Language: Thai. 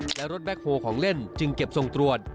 และรถแบ็คโฮของเล่นจึงเก็บส่งตรวจ